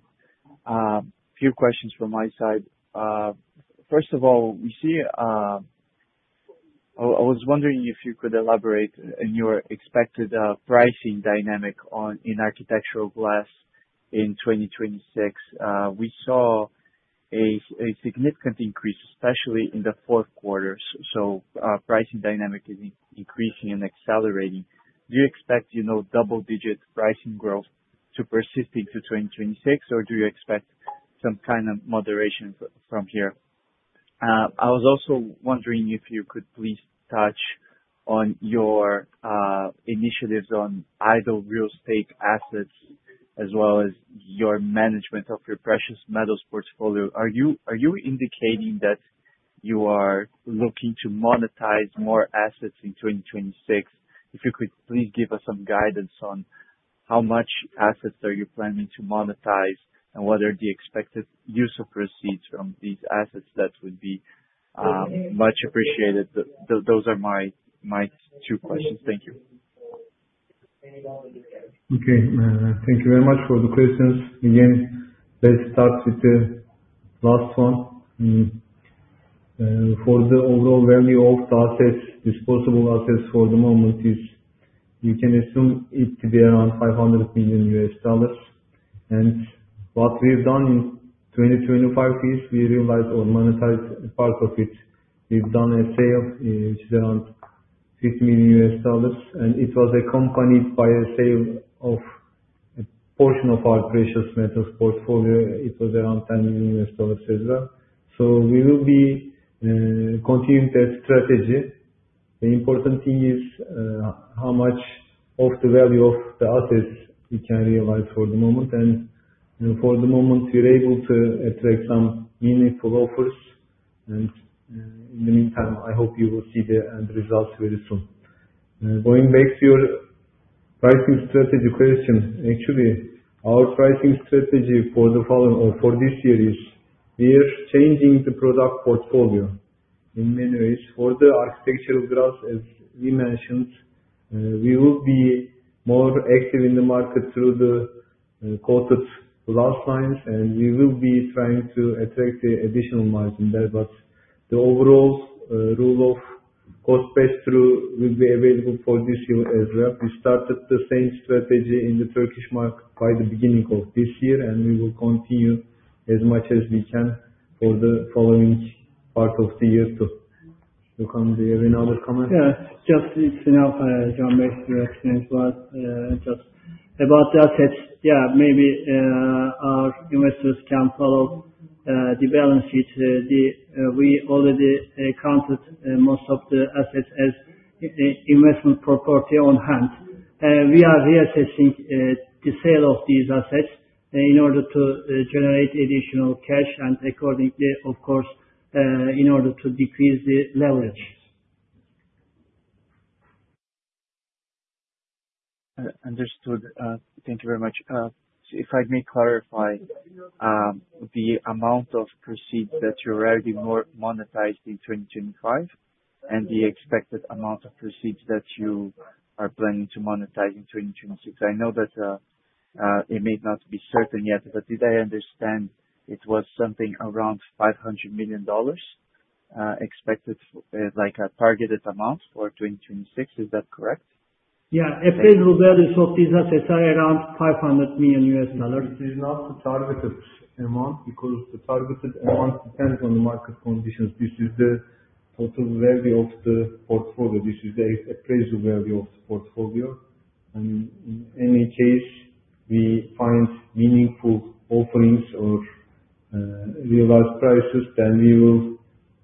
Few questions from my side. First of all, I was wondering if you could elaborate on your expected pricing dynamic on, in Architectural Glass in 2026. We saw a significant increase, especially in the fourth quarter, so pricing dynamic is increasing and accelerating. Do you expect, you know, double digit pricing growth to persist into 2026, or do you expect some kind of moderation from here? I was also wondering if you could please touch on your initiatives on idle real estate assets, as well as your management of your precious metals portfolio. Are you indicating that you are looking to monetize more assets in 2026? If you could please give us some guidance on how much assets are you planning to monetize, and what are the expected use of proceeds from these assets? That would be much appreciated. Those are my two questions. Thank you. Okay, thank you very much for the questions. Again, let's start with the last one. For the overall value of the assets, disposable assets for the moment is, you can assume it to be around $500 million. And what we've done in 2025 is we realized or monetized part of it. We've done a sale, it's around $50 million, and it was accompanied by a sale of a portion of our precious metals portfolio. It was around $10 million as well. So we will be continuing that strategy. The important thing is how much of the value of the assets we can realize for the moment. And for the moment, we're able to attract some meaningful offers, and in the meantime, I hope you will see the end results very soon. Going back to your pricing strategy question, actually, our pricing strategy for the following or for this year is, we are changing the product portfolio in many ways. For the Architectural Glass, as we mentioned, we will be more active in the market through the coated glass lines, and we will be trying to attract the additional margin there. But the overall rule of cost pass-through will be available for this year as well. We started the same strategy in the Turkish market by the beginning of this year, and we will continue as much as we can for the following part of the year, too. Do you want to add another comment? Yeah, just it's enough, Can direction as well. Just about the assets, yeah, maybe our investors can follow the balance sheet. The, we already counted most of the assets as investment property on hand. We are reassessing the sale of these assets in order to generate additional cash and accordingly, of course, in order to decrease the leverage. Understood. Thank you very much. So if I may clarify, the amount of proceeds that you already more monetized in 2025, and the expected amount of proceeds that you are planning to monetize in 2026. I know that, it may not be certain yet, but did I understand it was something around $500 million, expected, like a targeted amount for 2026? Is that correct? Yeah. Appraisal value of these assets are around $500 million. It is not the targeted amount, because the targeted amount depends on the market conditions. This is the total value of the portfolio. This is the appraisal value of the portfolio, and in any case, we find meaningful offerings or realized prices, then we will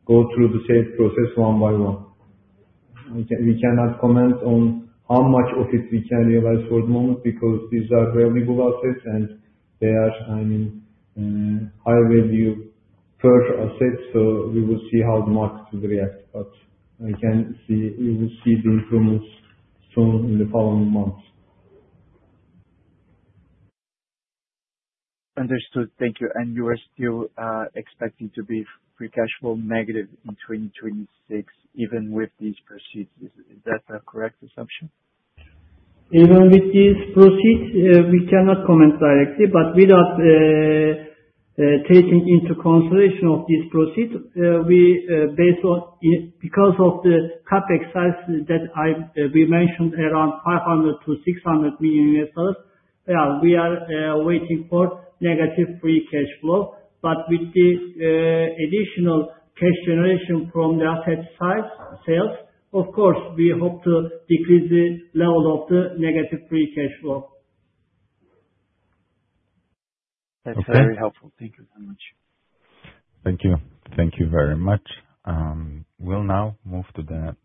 go through the same process one by one. We cannot comment on how much of it we can realize for the moment, because these are variable assets, and they are, I mean, high value search assets, so we will see how the market will react. But I can see... We will see the improvements soon in the following months. Understood. Thank you. You are still expecting to be free cash flow negative in 2026, even with these proceeds. Is that a correct assumption? Even with these proceeds, we cannot comment directly, but without taking into consideration of these proceeds, we based on because of the CapEx sizes that I we mentioned, around $500 million-$600 million, yeah, we are waiting for negative free cash flow. But with the additional cash generation from the asset side sales, of course, we hope to decrease the level of the negative free cash flow. That's very helpful. Okay. Thank you so much. Thank you. Thank you very much. We'll now move to the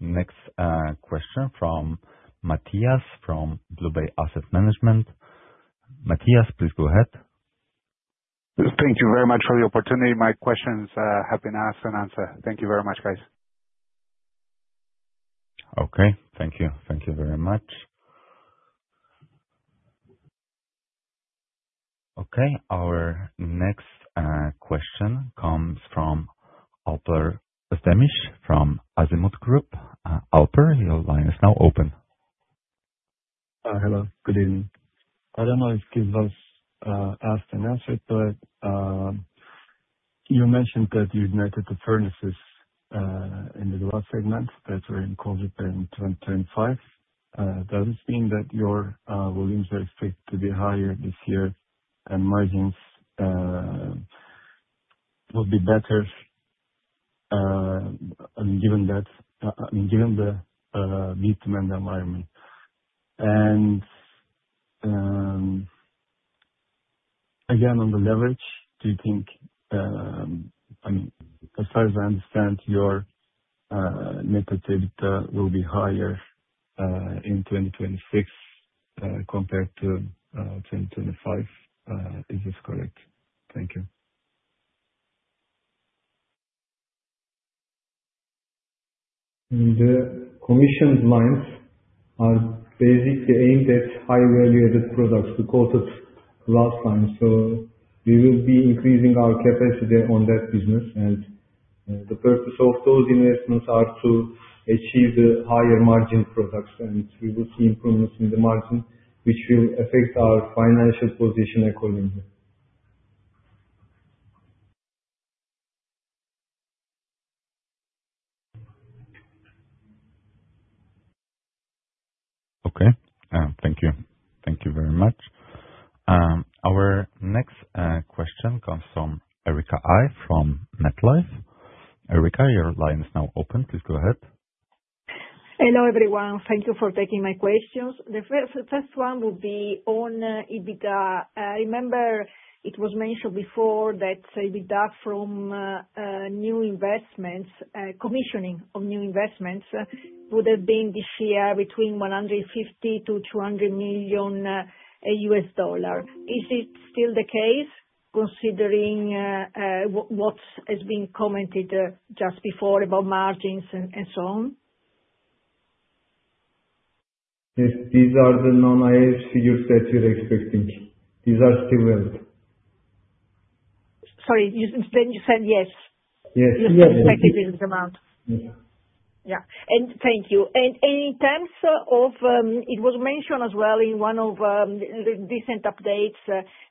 next question from Matias, from BlueBay Asset Management. Matthias, please go ahead. Thank you very much for the opportunity. My questions have been asked and answered. Thank you very much, guys. Okay, thank you. Thank you very much. Okay, our next question comes from Alper Özdemir, from Azimut Group. Alper, your line is now open. Hello, good evening. I don't know if it was asked and answered, but you mentioned that you've noted the furnaces in the last segment that were included in 2025. Does this mean that your volumes are expected to be higher this year and margins will be better given that, I mean, given the weak demand environment? And again, on the leverage, do you think, I mean, as far as I understand, your net debt will be higher in 2026 compared to 2025. Is this correct? Thank you. The commissioned lines are basically aimed at high value added products, we last time, so we will be increasing our capacity on that business. The purpose of those investments are to achieve the higher margin products, and we will see improvements in the margin, which will affect our financial position accordingly. Okay, thank you. Thank you very much. Our next question comes from Erika Ivey from MetLife. Erika, your line is now open. Please go ahead. Hello, everyone. Thank you for taking my questions. The first, first one will be on EBITDA. I remember it was mentioned before that EBITDA from new investments, commissioning of new investments, would have been this year between $150 million-$200 million. Is it still the case, considering what, what has been commented just before about margins and, and so on? Yes, these are the non-IAS figures that we're expecting. These are still well. Sorry, then you said yes? Yes. You still expect this amount? Mm-hmm. Yeah. And thank you. And in terms of, it was mentioned as well in one of the recent updates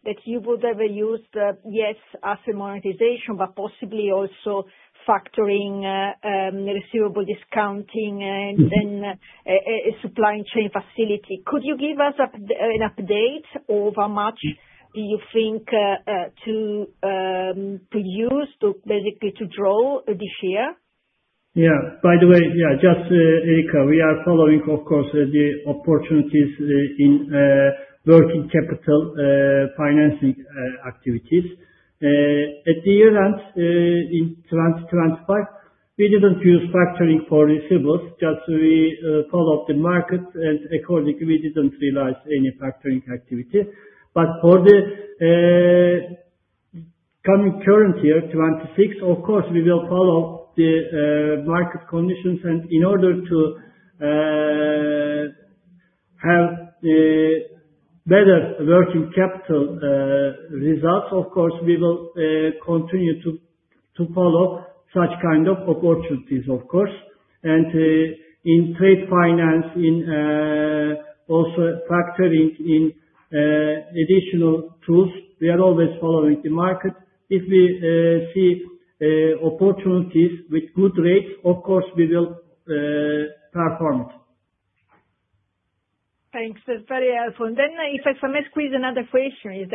that you would ever use yes, asset monetization, but possibly also factoring the receivable discounting and then- Mm-hmm a supply chain facility. Could you give us an update on how much do you think to use to basically draw this year? Yeah. By the way, yeah, just, Erika, we are following, of course, the opportunities in working capital financing activities. At the year end, in 2025, we didn't use factoring for receivables, just we followed the market, and accordingly, we didn't realize any factoring activity. But for the coming current year, 2026, of course, we will follow the market conditions. And in order to have better working capital results, of course, we will continue to follow such kind of opportunities, of course, and in trade finance, in also factoring in additional tools. We are always following the market. If we see opportunities with good rates, of course we will perform it. Thanks. That's very helpful. And then if I may squeeze another question,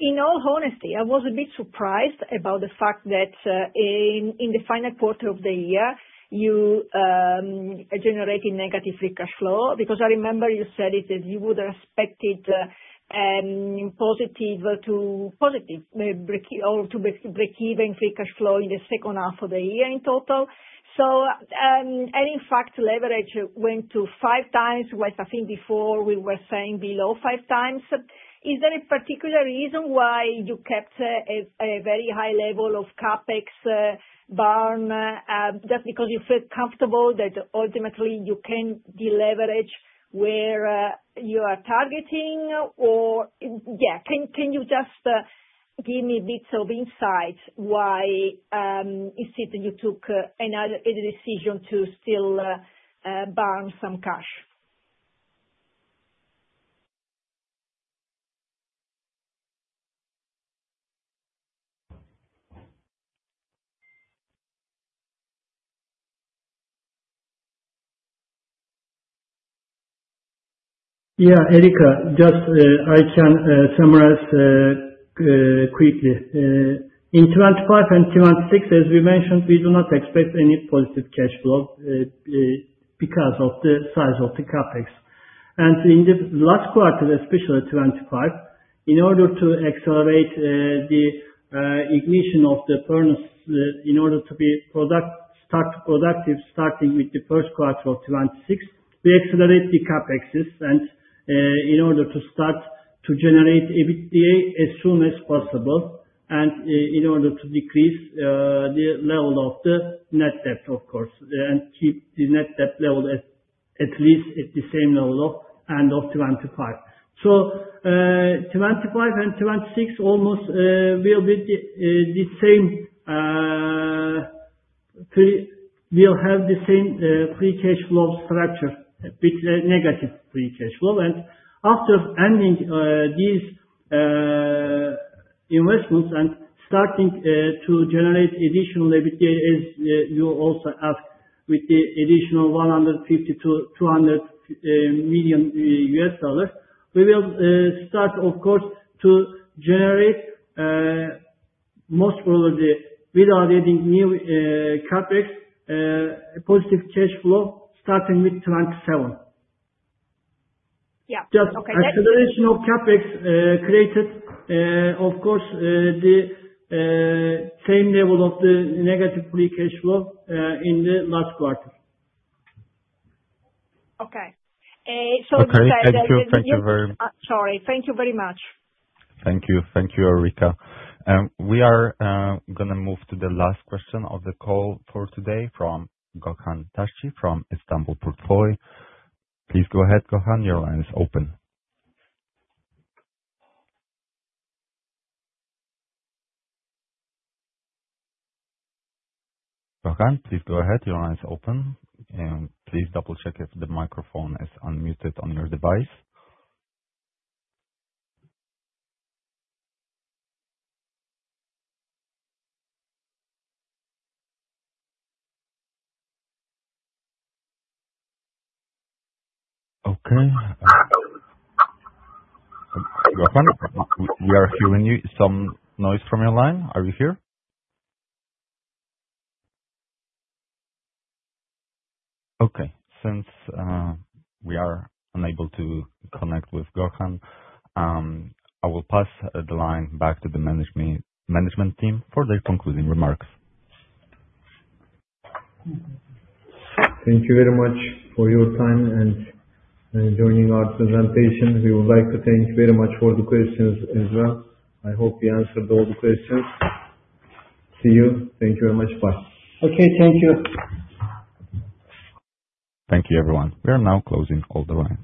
in all honesty, I was a bit surprised about the fact that in the final quarter of the year, you are generating negative free cash flow. Because I remember you said it, that you would expect it positive to positive break-even free cash flow in the second half of the year in total. And in fact, leverage went to 5x, whereas I think before we were saying below 5x. Is there a particular reason why you kept a very high level of CapEx burn? Just because you feel comfortable that ultimately you can deleverage where you are targeting? Yeah, can you just give me a bit of insight why is it you took another decision to still burn some cash? Yeah, Erika, just, I can summarize quickly. In 2025 and 2026, as we mentioned, we do not expect any positive cash flow because of the size of the CapEx. And in the last quarter, especially 2025, in order to accelerate the ignition of the furnace in order to be product start, productive, starting with the first quarter of 2026, we accelerate the CapEx. And in order to start to generate EBITDA as soon as possible, and in order to decrease the level of the net debt, of course, and keep the net debt level at least at the same level of end of 2025. So, 2025 and 2026, almost, will be the the same... We, we'll have the same, free cash flow structure, with a negative free cash flow. And after ending, these, investments and starting, to generate additional EBITDA, as, you also asked, with the additional $150 million-$200 million, we will, start, of course, to generate, most probably without adding new, CapEx, positive cash flow starting with 2027. Yeah. Okay. Just acceleration of CapEx created, of course, the same level of the negative free cash flow in the last quarter. Okay. So- Okay. Thank you. Thank you very- Sorry. Thank you very much. Thank you. Thank you, Erika. We are gonna move to the last question of the call for today from Gökhan Taşçı, from İstanbul Portföy. Please go ahead, Gökhan, your line is open. Gökhan, please go ahead. Your line is open, and please double-check if the microphone is unmuted on your device. Okay. Gökhan, we are hearing some noise from your line. Are you here? Okay. Since we are unable to connect with Gökhan, I will pass the line back to the management team for their concluding remarks. Thank you very much for your time and joining our presentation. We would like to thank you very much for the questions as well. I hope we answered all the questions. See you. Thank you very much. Bye. Okay, thank you. Thank you, everyone. We are now closing all the line.